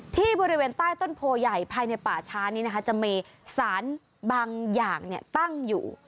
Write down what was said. ที่บริเวณใต้ต้นโพใหญ่ภายในป่าช้านี้นะคะจะมีสารบางอย่างตั้งอยู่